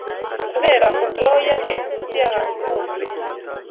kubera ubwoya bwe bwuzuye ahantu hose